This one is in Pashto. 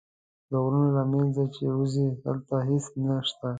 د غرونو له منځه چې ووځې هلته هېڅ نه شته.